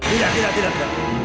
tidak tidak tidak